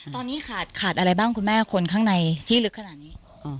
ตอนนี้ขาดขาดอะไรบ้างคุณแม่คนข้างในที่ลึกขนาดนี้